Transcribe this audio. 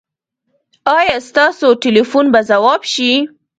ایا ستاسو ټیلیفون به ځواب شي؟